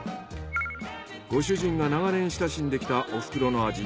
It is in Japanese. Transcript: ご主人が長年親しんできたおふくろの味